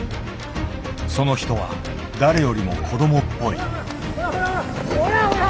その人は誰よりも子どもっぽい。